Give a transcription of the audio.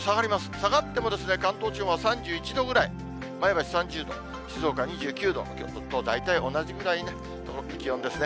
下がっても関東地方は３１度ぐらい、前橋３０度、静岡２９度、きょうと大体同じくらいの気温ですね。